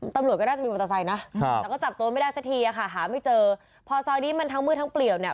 ตำรวจก็น่าจะมีมอเตอร์ไซค์นะแต่ก็จับตัวไม่ได้สักทีอะค่ะหาไม่เจอพอซอยนี้มันทั้งมืดทั้งเปลี่ยวเนี่ย